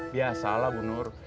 biasalah bu nur